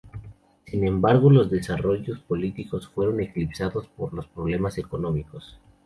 Sin embargo, los desarrollos políticos fueron eclipsados por los problemas económicos.